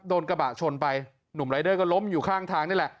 โดนกระบะชนไปหนุ่มรายเดอร์ก็ล้มอยู่ข้างทางนี่แหละ